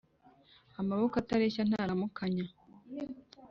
Amaboko atareshya ntaramukanya.